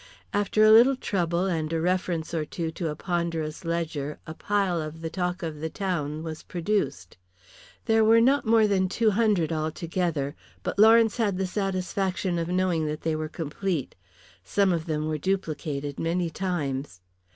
After a little trouble and a reference or two to a ponderous ledger a pile of the Talk of the Town was produced. There were not more than two hundred altogether, but Lawrence had the satisfaction of knowing that they were complete. Some of them were duplicated many times.